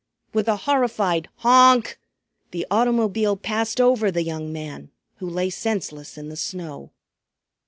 With a horrified honk the automobile passed over the young man, who lay senseless in the snow.